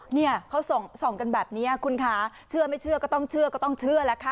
เนี่ยเขาส่องกันแบบนี้คุณคะเชื่อไม่เชื่อก็ต้องเชื่อก็ต้องเชื่อแล้วค่ะ